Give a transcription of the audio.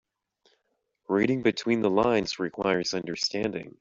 Reading between the lines requires understanding.